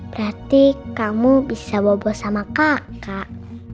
berarti kamu bisa bobo sama kakak